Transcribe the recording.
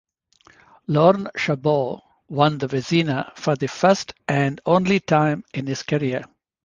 Lorne Chabot won the Vezina for the first and only time in his career.